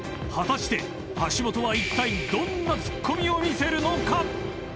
［果たして橋本はいったいどんなツッコミを見せるのか⁉］